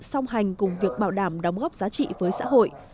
song hành cùng việc bảo đảm đóng góp giá trị với xã hội